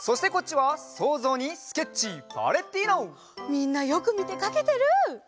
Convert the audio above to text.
みんなよくみてかけてる！